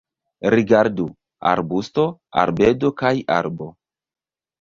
Rigardu: arbusto, arbedo kaj arbo.